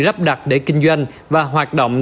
lắp đặt để kinh doanh và hoạt động